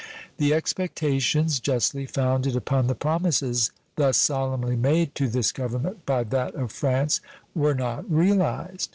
The expectations justly founded upon the promises thus solemnly made to this Government by that of France were not realized.